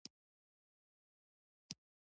له لارې د استول کېدونکو پیغامونو